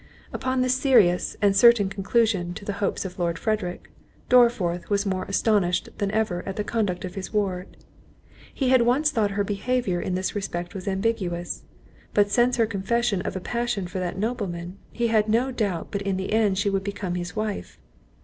Upon this serious and certain conclusion to the hopes of Lord Frederick, Dorriforth was more astonished than ever at the conduct of his ward. He had once thought her behaviour in this respect was ambiguous, but since her confession of a passion for that nobleman, he had no doubt but in the end she would become his wife.